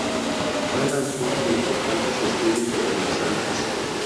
Fue el autor de importantes estudios sobre las algas.